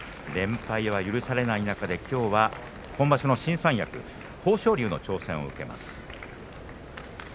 連敗は許されない中できょうは今場所の新三役豊昇龍の挑戦を受けます。